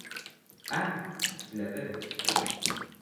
Ah ! tu la veux.